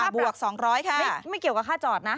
อ่าบวกสองร้อยค่ะไม่เกี่ยวกับค่าจอดนะ